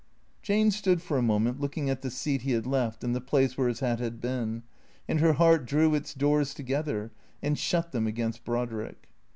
Jane stood for a moment looking at the seat he had left and the place where his hat had been. And her heart drew its doors together and shut them against Brodrick.